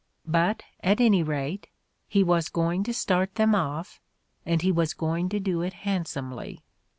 But, at any rate, he was going to start them off, and he was going to do it handsomely.